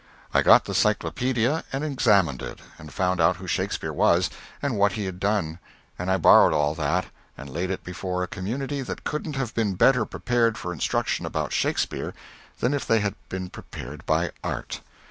I got the Cyclopædia and examined it, and found out who Shakespeare was and what he had done, and I borrowed all that and laid it before a community that couldn't have been better prepared for instruction about Shakespeare than if they had been prepared by art.